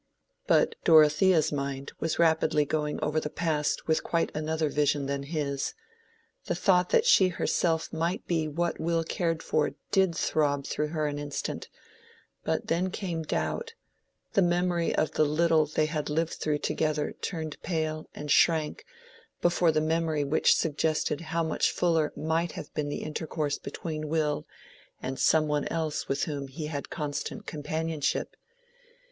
But Dorothea's mind was rapidly going over the past with quite another vision than his. The thought that she herself might be what Will most cared for did throb through her an instant, but then came doubt: the memory of the little they had lived through together turned pale and shrank before the memory which suggested how much fuller might have been the intercourse between Will and some one else with whom he had had constant companionship.